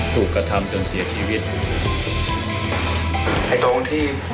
ถูกกระทำจนเสียชีวิต